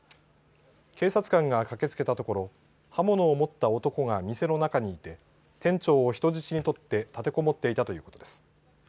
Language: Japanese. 警察官が駆けつけたところ刃物を持った男が店の中にいて店長を人質に取って立てこもっていたということです。